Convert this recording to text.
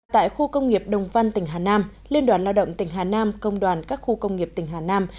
tại khu công nghiệp đồng văn tỉnh hà nam liên đoàn lao động tỉnh hà nam công đoàn các khu công nghiệp tỉnh hà nam